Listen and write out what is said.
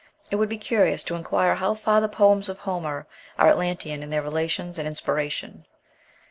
It would be curious to inquire how far the poems of Homer are Atlantean in their relations and inspiration.